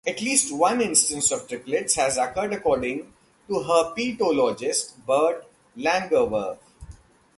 At least one instance of triplets has occurred according to herpetologist Bert Langerwerf.